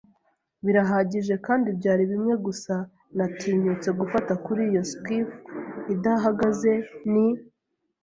birahagije; kandi byari bimwe gusa natinyutse gufata kuri iyo skiff idahagaze. Ni